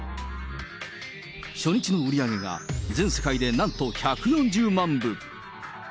初日の売り上げが全世界でなんと１４０万部。